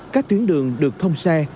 các tuyến đường được thông xe